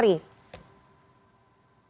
anda pernah jadi mantan perasih antara polri